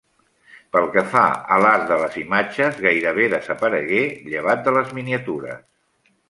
Pel que fa a l'art de les imatges, gairebé desaparegué, llevat de les miniatures.